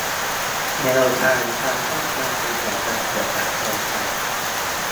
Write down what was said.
แนวทางการป้องกันปัญหาการเสียบบัตรแทนกัน